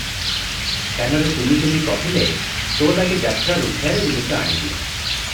କାନରେ ତୁନି ତୁନି କହିଲେ, "ତୋ ଲାଗି ଯାତ୍ରାରୁ ଢେର ଜିନିଷ ଆଣିବି ।"